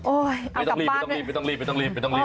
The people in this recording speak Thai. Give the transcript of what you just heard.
เอากลับป้านไม่ต้องรีบ